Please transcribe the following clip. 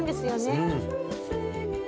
うん。